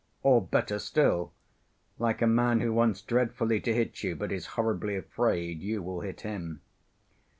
Or, better still, like a man who wants dreadfully to hit you but is horribly afraid you will hit him.